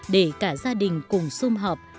để cả gia đình cùng xung họp